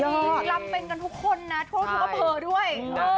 รำเป็นกันทุกคนนะทุกคนก็เพลิดด้วย